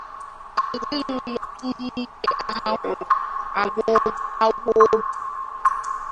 ma kasikwa ezinụlọ ndị nke ha nwụrụ anwụ obi